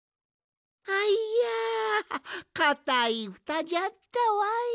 いやかたいふたじゃったわい。